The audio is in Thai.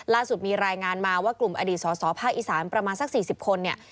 ล่าสุดมีรายงานมาว่ากลุ่มอดีตสอสอภาคอีสานประมาณสัก๔๐คนเนี่ย